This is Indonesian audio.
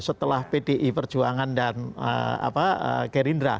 setelah pdi perjuangan dan gerindra